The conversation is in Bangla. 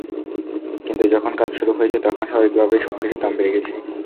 কিন্তু যখন কাজ শুরু হয়েছে, তখন স্বাভাবিকভাবেই সবকিছুর দাম বেড়ে গেছে।